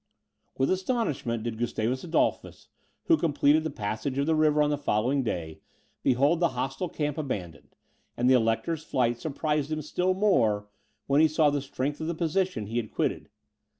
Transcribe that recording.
With astonishment did Gustavus Adolphus, who completed the passage of the river on the following day behold the hostile camp abandoned; and the Elector's flight surprised him still more, when he saw the strength of the position he had quitted.